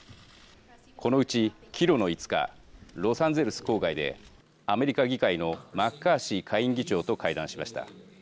このうち帰路の５日ロサンゼルス郊外でアメリカ議会のマッカーシー下院議長と会談しました。